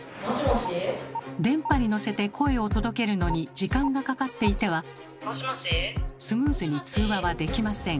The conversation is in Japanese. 電波にのせて声を届けるのに時間がかかっていてはスムーズに通話はできません。